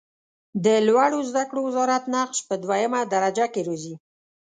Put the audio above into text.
د لوړو زده کړو وزارت نقش په دویمه درجه کې راځي.